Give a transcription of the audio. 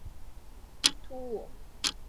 萨诺戈的职业生涯始于突尼斯。